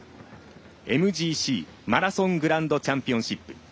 ＭＧＣ＝マラソングランドチャンピオンシップ。